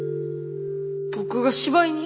僕が芝居に？